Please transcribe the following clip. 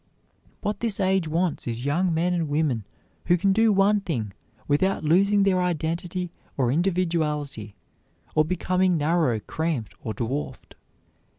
What this age wants is young men and women who can do one thing without losing their identity or individuality, or becoming narrow, cramped, or dwarfed.